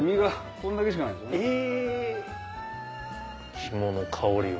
肝の香りを。